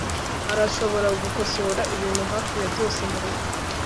arashobora gukosora ibintu hafi ya byose murugo